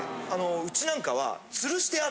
うちなんかは。